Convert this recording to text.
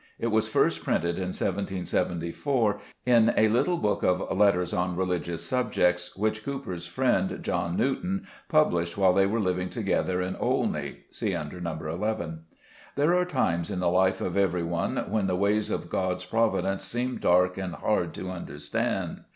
It was first printed in 1774 in a little book of " Letters on Religious Subjects," which Cowper' s friend, John New ton, published while they were living together at Olney (see under No. 11). There are times in the life of every one when the ways of God's providence seem dark and hard to understand.